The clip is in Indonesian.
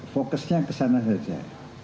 fokusnya kesana saja